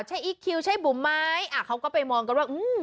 ใช่อีคคิวใช่บุ๋มไหมอ่ะเขาก็ไปมองกันว่าอืม